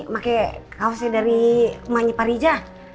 pakai kaosnya dari rumahnya parija